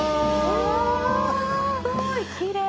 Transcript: うわすごいきれい！